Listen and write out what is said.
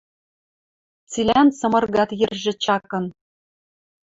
Цилӓн цымыргат йӹржӹ чакын.